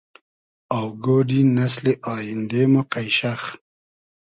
آوگۉۮی نئسلی آییندې مۉ قݷشئخ